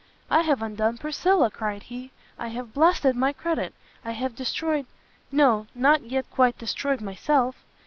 "I have undone Priscilla!" cried he, "I have blasted my credit! I have destroyed no, not yet quite destroyed myself!"